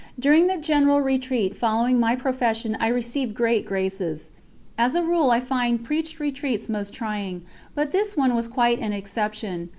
During the general retreat following my profession I received great graces. As a rule I find preached retreats most trying, but this one was quite an exception.